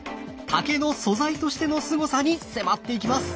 竹の素材としてのすごさに迫っていきます！